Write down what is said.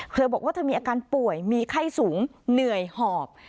เธอบอกว่าเธอมีอาการป่วยมีไข้สูงเหนื่อยหอบ